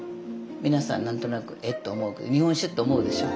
皆さん何となくえっと思うけど日本酒って思うでしょ？